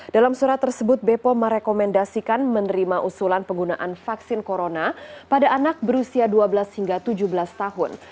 dalam surat tersebut bepom merekomendasikan menerima usulan penggunaan vaksin corona pada anak berusia dua belas hingga tujuh belas tahun